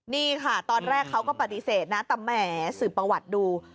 นี่ค่ะตอนแรกเขาก็ปฏิเสธนะแต่แหมสืบประวัติดู